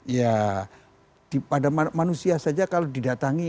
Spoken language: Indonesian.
ya pada manusia saja kalau didatangi